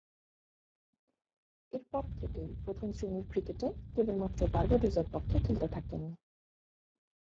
এরপর থেকেই প্রথম-শ্রেণীর ক্রিকেটে কেবলমাত্র বার্বাডোসের পক্ষে খেলতে থাকেন।